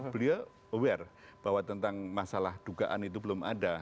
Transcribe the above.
beliau aware bahwa tentang masalah dugaan itu belum ada